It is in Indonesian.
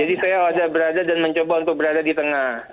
jadi saya ada berada dan mencoba untuk berada di tengah